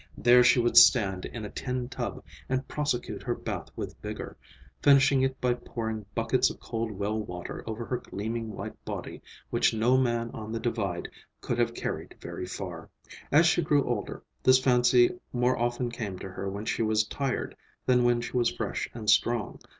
There she would stand in a tin tub and prosecute her bath with vigor, finishing it by pouring buckets of cold well water over her gleaming white body which no man on the Divide could have carried very far. As she grew older, this fancy more often came to her when she was tired than when she was fresh and strong.